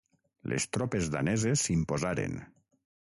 Les tropes daneses s'imposaren.